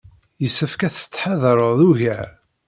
Yessefk ad tettḥadareḍ ugar.